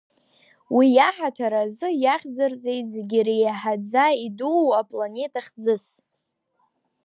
Уи иаҳаҭыр азы иахьӡырҵеит зегьы реиҳаӡа идуу апланета хьӡыс.